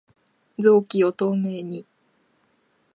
臓器を透明に